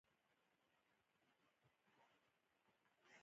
شعیب اختر د نړۍ یو سريع بالر وو.